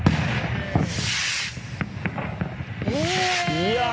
いや。